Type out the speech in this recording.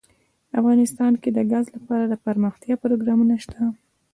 افغانستان کې د ګاز لپاره دپرمختیا پروګرامونه شته.